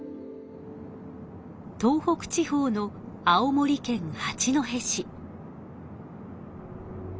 東北地方の青森県八戸市。